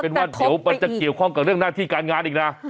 เป็นว่าเดี๋ยวมันจะเกี่ยวข้องกับเรื่องหน้าที่การงานอีกนะ